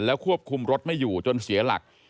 ควบคุมรถไม่อยู่จนเสียหลัก